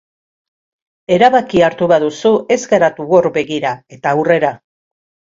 Erabakia hartu baduzu ez geratu hor begira eta aurrera.